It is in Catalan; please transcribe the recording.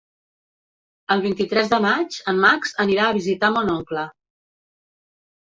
El vint-i-tres de maig en Max anirà a visitar mon oncle.